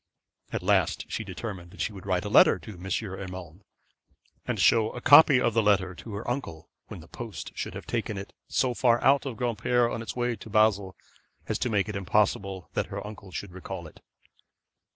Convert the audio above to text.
At last she determined that she would write a letter to M. Urmand, and show a copy of the letter to her uncle when the post should have taken it so far out of Granpere on its way to Basle, as to make it impossible that her uncle should recall it.